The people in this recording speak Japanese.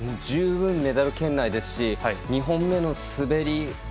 十分メダル圏内ですし２本目の滑り。